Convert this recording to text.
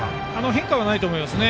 変化はないと思います。